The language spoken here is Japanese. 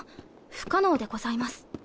不可能でございます。